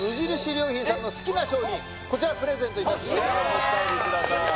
良品さんの好きな商品こちらプレゼントいたしますのでお持ち帰りください